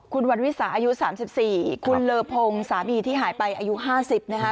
คุณวันวิสาอายุ๓๔คุณเลอพงสามีที่หายไปอายุ๕๐นะคะ